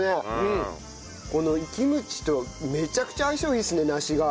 このキムチとめちゃくちゃ相性いいですね梨が。